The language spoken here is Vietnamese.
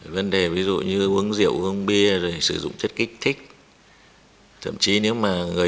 vấn đề ví dụ như uống rượu uống bia rồi sử dụng chất lượng